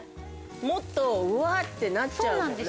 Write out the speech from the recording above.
もっとうわってなっちゃうもんね。